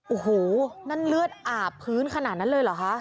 โอ้โหนั่นเลือดอาบพื้นขนาดนั้นเลยเหรอคะ